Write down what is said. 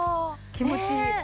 気持ちいい。